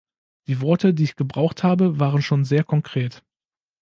Die Worte, die ich gebraucht habe, waren schon sehr konkret.